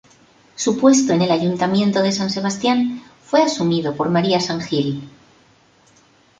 Su puesto en el ayuntamiento de San Sebastián fue asumido por María San Gil.